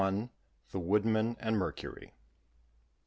THE WOODMAN AND MERCURY.